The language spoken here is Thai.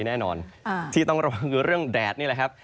แน่นอนที่ต้องระวังคือเรื่องแดดนี่แหละครับ